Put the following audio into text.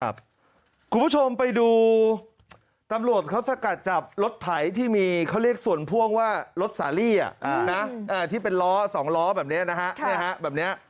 คุณผู้ชมไปดูตำรวจเขาสกัดจับรถไถที่มีเขาเรียกส่วนพ่วงว่ารถสาลีที่เป็นล้อ๒ล้อแบบนี้นะฮะแบบนี้